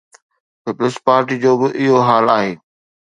Peoples پارٽيءَ جو به اهو حال آهي.